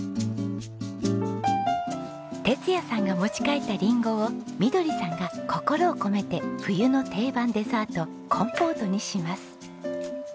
哲也さんが持ち帰ったリンゴをみどりさんが心を込めて冬の定番デザートコンポートにします。